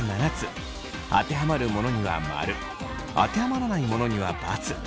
当てはまるものには○当てはまらないものには×。